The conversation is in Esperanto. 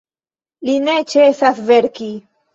Li ne ĉesas verki.